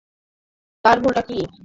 তার ভুলটা কী?